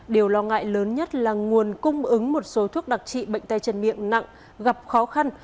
điều lo ngại lớn nhất là nguồn cung ứng một số thuốc đặc trị bệnh tay chân miệng nặng gặp khó khăn